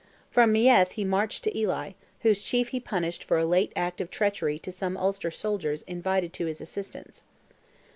From Meath he marched to Ely, whose chief he punished for a late act of treachery to some Ulster soldiers invited to his assistance.